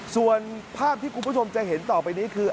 ส่วนภาพที่คุณผู้ชมจะเห็นต่อไปนี้คือ